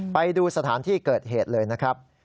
ไปดูสถานที่เกิดเหตุเลยนะครับ